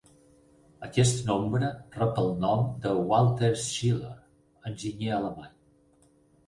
Aquest nombre rep el nom de Walter Schiller, enginyer alemany.